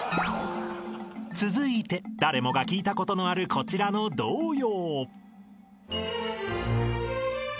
［続いて誰もが聞いたことのあるこちらの童謡］